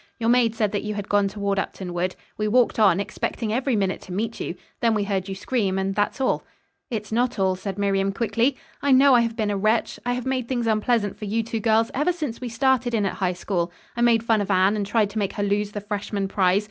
"Your maid said that you had gone toward Upton Wood. We walked on, expecting every minute to meet you. Then we heard you scream and that's all." "It's not all," said Miriam quickly. "I know I have been a wretch. I have made things unpleasant for you two girls ever since we started in at High School. I made fun of Anne, and tried to make her lose the freshman prize.